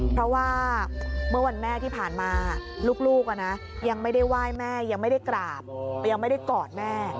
เพราะว่าเมื่อวันแม่ที่ผ่านมาลูกยังไม่ได้ไหว้แม่ยังไม่ได้กราบยังไม่ได้กอดแม่